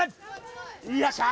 よっしゃ。